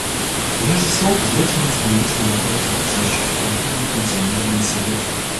Прежде всего позвольте мне остановиться на вопросах, касающихся внутреннего функционирования Совета.